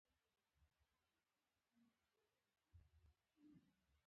زه له درېو نورو هلکانو سره دارالعلوم ته ولاړم.